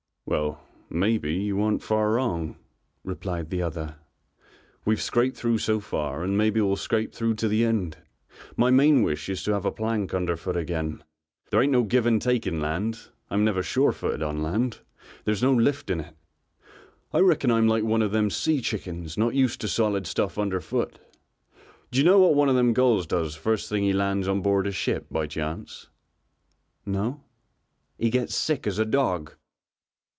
"Well, maybe, you aren't far wrong," replied the other, "we've scraped through so far and maybe we'll scrape through to the end. My main wish is to have a plank under foot again, there ain't no give and take in land, I'm never surefooted on land, there's no lift in it. I reckon I'm like one of them sea chickens not used to solid stuff underfoot. D'you know what one of them gulls does first thing he lands on board a ship by chance?" "No." "He gets sick as a dog."